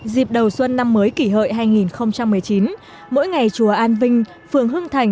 dịp đầu xuân năm mới kỷ hợi hai nghìn một mươi chín mỗi ngày chùa an vinh phường hưng thành